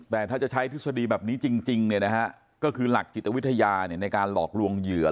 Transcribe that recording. แต่ถ้าจะใช้ทฤษฎีแบบนี้จริงก็คือหลักจิตวิทยาในการหลอกลวงเหยื่อ